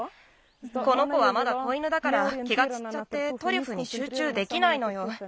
この子はまだ子犬だから気がちっちゃってトリュフにしゅうちゅうできないのよ。